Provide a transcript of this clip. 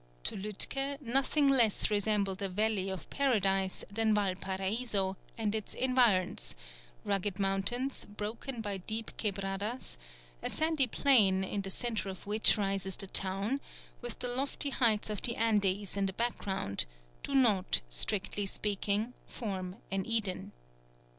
To Lütke nothing less resembled a valley of Paradise than Valparaiso and its environs: rugged mountains, broken by deep quebradas, a sandy plain, in the centre of which rises the town, with the lofty heights of the Andes in the background, do not, strictly speaking, form an Eden.